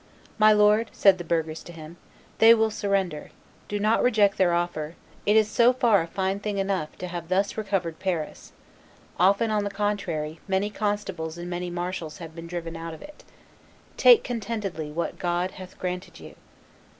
"My lord," said the burghers to him, "they will surrender; do not reject their offer; it is so far a fine thing enough to have thus recovered Paris; often, on the contrary, many constables and many marshals have been driven out of it. Take contentedly what God hath granted you."